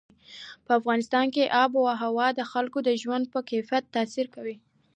په افغانستان کې آب وهوا د خلکو د ژوند په کیفیت تاثیر کوي.